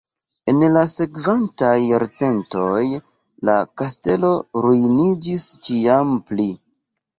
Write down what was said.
En la sekvantaj jarcentoj la kastelo ruiniĝis ĉiam pli.